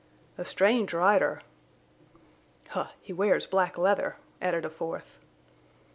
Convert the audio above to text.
"A strange rider." "Huh! he wears black leather," added a fourth.